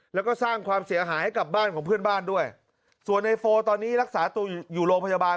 แล้วก็สร้างความเสียหายให้กับบ้านของเพื่อนบ้านด้วยส่วนในโฟตอนนี้รักษาตัวอยู่โรงพยาบาล